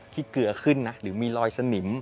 เกลือขึ้นนะหรือมีรอยสนิม